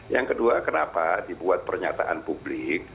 yang kedua kenapa dibuat pernyataan publik